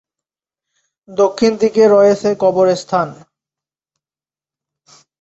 দক্ষিণ দিকে রয়েছে কবরস্থান।